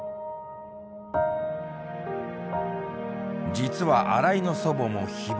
実は新井の祖母も被爆者。